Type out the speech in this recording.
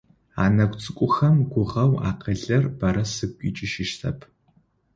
Анэгу цӏыкӏухэм гугъэу акӏэлъыр бэрэ сыгу икӏыжьыщтэп.